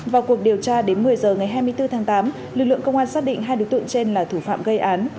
vào cuộc điều tra đến một mươi h ngày hai mươi bốn tháng tám lực lượng công an xác định hai đối tượng trên là thủ phạm gây án